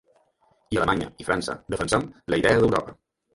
I Alemanya i França defensem la idea d’Europa.